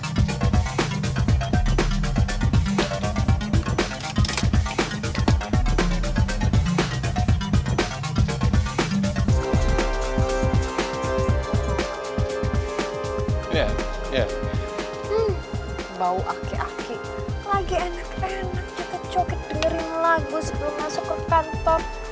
lagi enak enak nyata cokit dengerin lagu sebelum masuk ke kantor